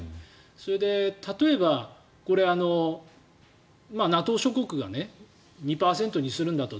それで例えばＮＡＴＯ諸国が２％にするんだと。